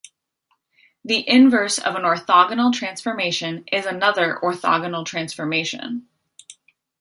The inverse of an orthogonal transformation is another orthogonal transformation.